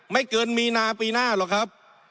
ไม่เกินมีนาปีหน้าหรอกครับ